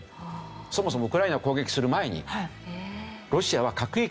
そもそもウクライナを攻撃する前に。